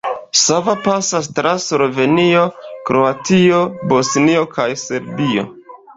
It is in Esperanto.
Sava pasas tra Slovenio, Kroatio, Bosnio kaj Serbio.